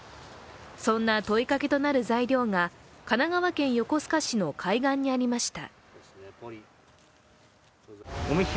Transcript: そんな問いかけとなる材料が神奈川県横須賀市の海岸にありました。